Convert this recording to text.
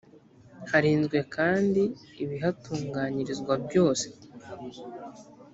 harinzwe kandi ibihatunganyirizwa byose